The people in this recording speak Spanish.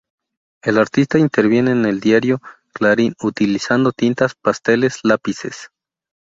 El artista interviene el diario Clarín utilizando tintas, pasteles, lápices.